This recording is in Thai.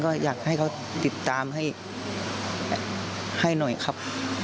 ก็อยากให้เขาติดตามให้หน่อยครับ